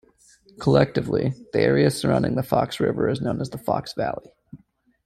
Collectively, the area surrounding the Fox River is known as the Fox Valley.